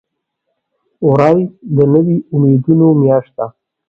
وری د نوي امیدونو میاشت ده.